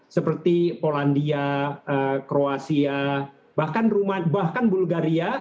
seperti polandia kroasia bahkan bulgaria